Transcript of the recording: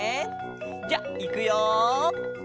じゃあいくよ。